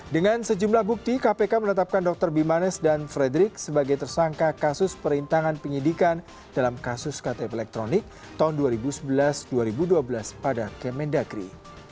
dengan sejumlah bukti kpk menetapkan dr bimanes dan frederick sebagai tersangka kasus perintangan penyidikan dalam kasus ktp elektronik tahun dua ribu sebelas dua ribu dua belas pada kemendagri